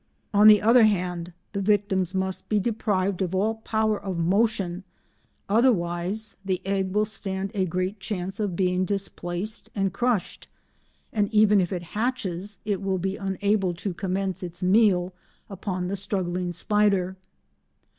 On the other hand the victims must be deprived of all power of motion, otherwise the egg will stand a great chance of being displaced and crushed, and even if it hatches it will be unable to commence its meal upon the struggling spider.